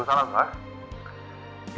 assalamualaikum warahmatullahi wabarakatuh